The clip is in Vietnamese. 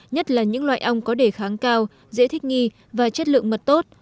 nhất là những loại ong có đề kháng cao dễ thích nghi và chất lượng mật tốt